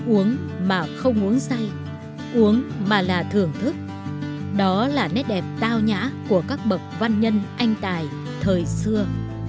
uống mà không uống say uống mà là thưởng thức đó là nét đẹp tao nhã của các bậc văn nhân anh tài thời xưa